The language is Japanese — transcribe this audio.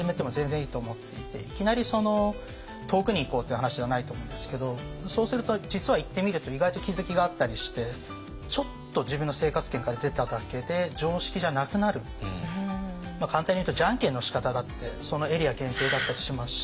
いきなり遠くに行こうっていう話ではないと思うんですけどそうすると実は行ってみると意外と気付きがあったりしてちょっと簡単に言うとじゃんけんのしかただってそのエリア限定だったりしますし。